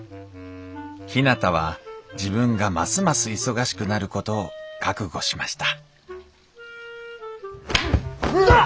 ひなたは自分がますます忙しくなることを覚悟しましたふん。